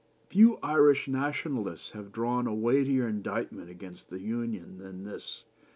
" Few Irish Nationalists have drawn a weightier indictment against the Union than this.